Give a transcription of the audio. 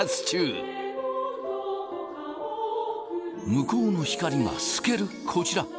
向こうの光が透けるこちら。